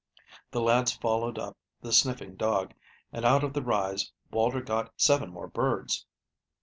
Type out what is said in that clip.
The lads followed up the sniffing dog, and out of the rise Walter got seven more birds.